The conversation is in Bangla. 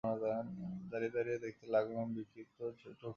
দাঁড়িয়ে দাঁড়িয়ে দেখতে লাগলাম বিক্ষিপ্ত টুকরো মেঘ।